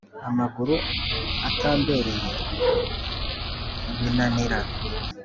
Amaguru atambereye ibinanira